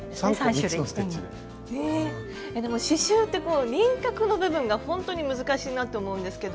でも刺しゅうって輪郭の部分がほんとに難しいなって思うんですけど。